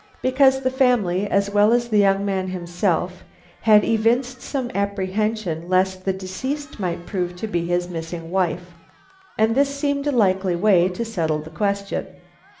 Because the family as well as the young man himself had evinced some apprehension lest the deceased might prove to be his missing wife, and this seemed a likely way to settle the question."